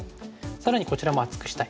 更にこちらも厚くしたい。